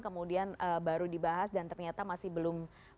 kemudian baru dibahas dan ternyata masih belum